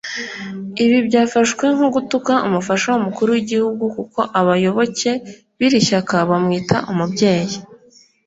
Ibi byafashwe nko gutuka umufasha w’umukuru w’igihugu kuko abayoboke b’iri shyaka bamwita umubyeyi